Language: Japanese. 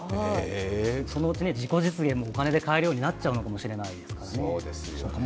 そのうち自己実現もお金で買えるようになっちゃうかもしれないですよね。